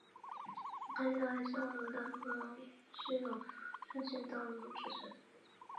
该市的干线网络大部分是由双线道路组成。